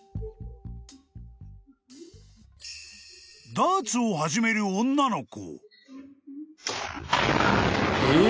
［ダーツを始める女の子］